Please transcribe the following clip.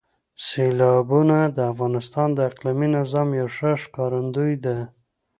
سیلابونه د افغانستان د اقلیمي نظام یو ښه ښکارندوی ده.